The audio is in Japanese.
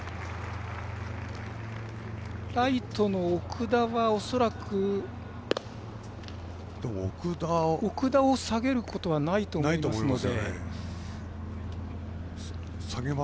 ライトの奥田を下げることはないと思いますので。